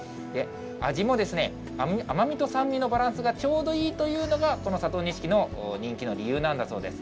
味も甘みと酸味のバランスがちょうどいいというのが、この佐藤錦の人気の理由なんだそうです。